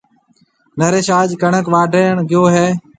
نريش آج ڪڻڪ واڍڻ گيو هيَ۔